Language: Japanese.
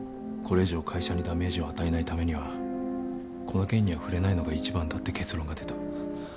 これ以上会社にダメージを与えないためにはこの件には触れないのが一番だって結論が出た。